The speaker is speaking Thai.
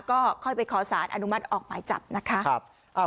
ก็ค่อยไปขอสารอนุมัติออกหมายจับนะคะ